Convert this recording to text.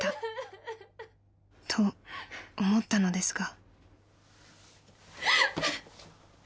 ［と思ったのですが］